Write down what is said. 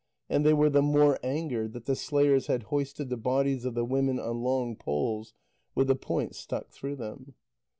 And they were the more angered, that the slayers had hoisted the bodies of the women on long poles, with the points stuck through them.